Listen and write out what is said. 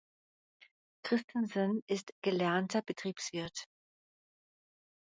Christensen ist gelernter Betriebswirt.